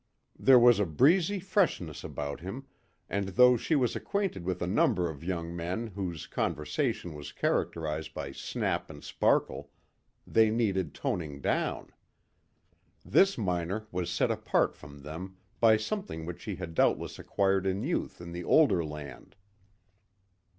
There was a breezy freshness about him, and though she was acquainted with a number of young men whose conversation was characterised by snap and sparkle, they needed toning down. This miner was set apart from them by something which he had doubtless acquired in youth in the older land.